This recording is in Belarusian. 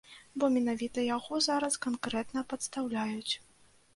Бо менавіта яго зараз канкрэтна падстаўляюць.